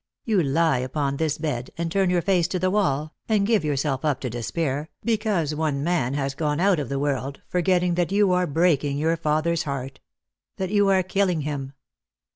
You lie upon this bed, and turn four face to the wall, and give yourself ud to despair, because 176 Lost for Love. one man has gone out of the world, forgetting that you ara breaking your father's heart — that you are killing him."